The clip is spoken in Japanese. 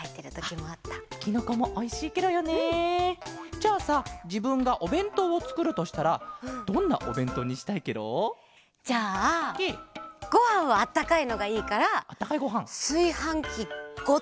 じゃあさじぶんがおべんとうをつくるとしたらどんなおべんとうにしたいケロ？じゃあごはんはあったかいのがいいからすいはんきごとそのままもってくる。